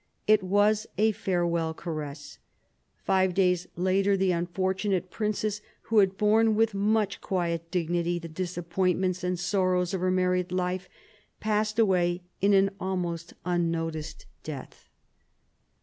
It was a farewell caress. Five days later, the unfortunate princess, who had borne with much quiet dignity the disappointments and sorrows of her married life, passed away in an almost unnoticed death.